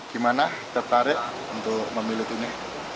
gimana tertarik untuk memilih ini